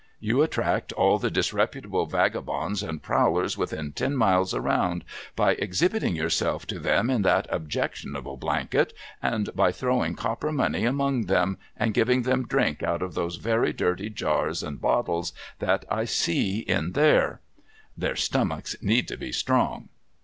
You attract all the disreputable vagabonds and prowlers within ten miles around, by exhibiting yourself to them in that objectionable blanket, and by throwing copper money among them, and giving them drink out of those very dirty jars and bottles that I see in there (their stomachs need be strong